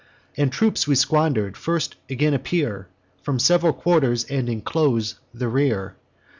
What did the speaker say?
The troops we squander'd first again appear From several quarters, and enclose the rear.